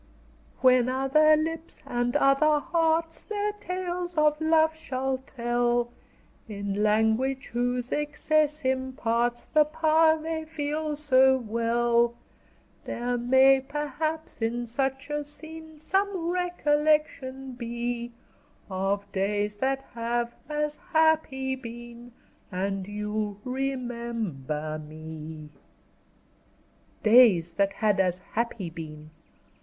"When other lips and other hearts Their tales of love shall tell, In language whose excess imparts The power they feel so well, There may, perhaps, in such a scene, Some recollection be, Of days that have as happy been And you'll remember me." Days that had as happy been!